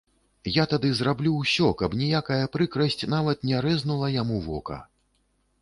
Я тады зраблю ўсё, каб ніякая прыкрасць нават не рэзнула яму вока.